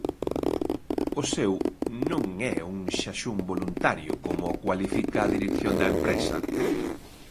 O seu non é un xaxún voluntario como o cualifica a dirección da empresa.